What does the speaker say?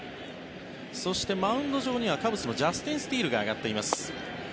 そして、マウンド上にはカブスのジャスティン・スティールが上がっています。